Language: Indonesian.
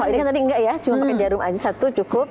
oh ini kan tadi enggak ya cuma pakai jarum aja satu cukup